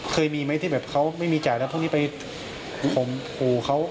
เคยมีไหมที่แบบเขาไม่มีจ่ายแล้วพวกนี้ไปข่มขู่เขา